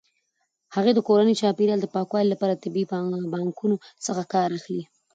هغې د کورني چاپیریال د پاکوالي لپاره د طبیعي پاکونکو څخه کار اخلي.